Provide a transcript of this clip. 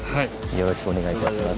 よろしくお願いします。